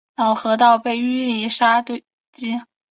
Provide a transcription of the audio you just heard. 老河道被淤沙填积。